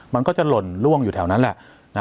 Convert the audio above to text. มันก็จะหล่นล่วงอยู่แถวนั้นแหละ